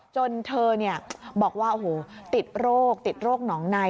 จนเธอบอกว่าโอ้โหติดโรคติดโรคหนองใน